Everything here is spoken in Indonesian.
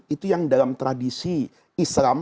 itu yang dalam tradisi islam